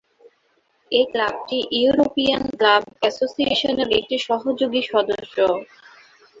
এই ক্লাবটি European club অ্যাসোসিয়েশনের একটি সহযোগী সদস্য।